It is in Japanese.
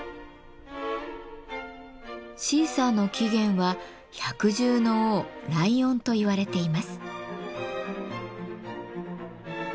シーサーの起源は百獣の王・ライオンといわれています。